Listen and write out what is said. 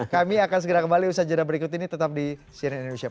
kami akan segera kembali usaha jadwal berikut ini tetap di cnn indonesia prime